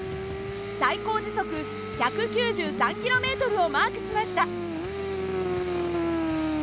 最高時速１９３ｋｍをマークしました。